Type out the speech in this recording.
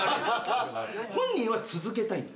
本人は続けたいんです。